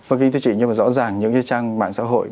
vâng kính thưa chị nhưng mà rõ ràng những cái trang mạng xã hội